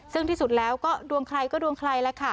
ซึ่งที่สุดแล้วก็ดวงใครก็ดวงใครแล้วค่ะ